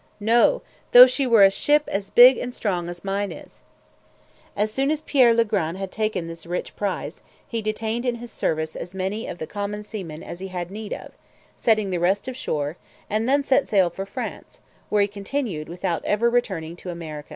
No, though she were a ship as big and as strong as mine is.' As soon as Pierre le Grand had taken this rich prize, he detained in his service as many of the common seamen as he had need of, setting the rest ashore, and then set sail for France, where he continued, without ever returning to America again."